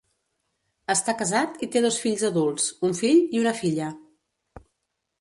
Està casat i té dos fills adults, un fill i una filla.